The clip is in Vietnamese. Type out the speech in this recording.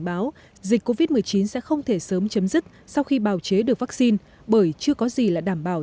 báo dịch covid một mươi chín sẽ không thể sớm chấm dứt sau khi bào chế được vaccine bởi chưa có gì là đảm bảo